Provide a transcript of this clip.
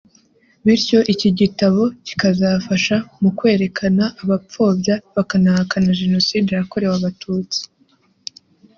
bityo iki gitabo kikazafasha mu kwerekana abapfobya bakanahakana Jenoside yakorewe Abatutsi